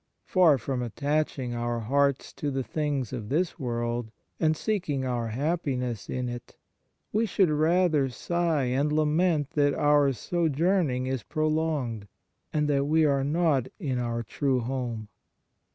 Far from attach ing our hearts to the things of this world, and seeking our happiness in it, we should rather sigh and lament that our " sojourn ing is prolonged," and that we are not in our true home.